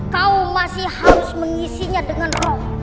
kau masih harus mengisinya dengan allah